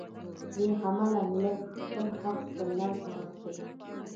بې علمه ملت خپل حق له لاسه ورکوي.